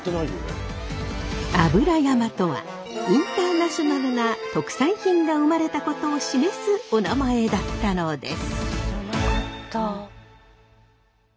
油山とはインターナショナルな特産品が生まれたことを示すお名前だったのです。